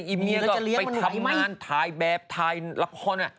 ีเมียก็ไปทำงานถ่ายแบบถ่ายละคร